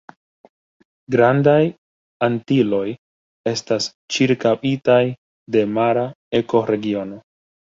Grandaj Antiloj estas ĉirkaŭitaj de mara ekoregiono.